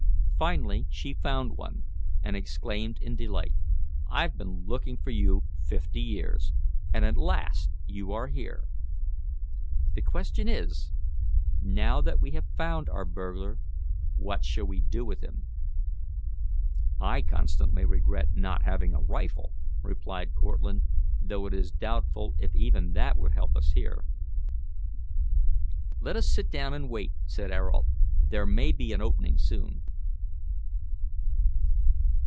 Finally she found one, and exclaimed in delight, 'I've been looking for you fifty years, and at last you are here!' The question is, now that we have found our burglar, what shall we do with him?" "I constantly regret not having a rifle," replied Cortlandt, "though it is doubtful if even that would help us here." "Let us sit down and wait," said Ayrault; "there may be an opening soon."